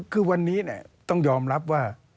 คือวันนี้ต้องยอมรับว่า